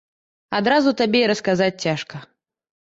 Адразу табе і расказаць цяжка.